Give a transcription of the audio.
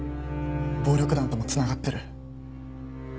暴力団とも繋がってる。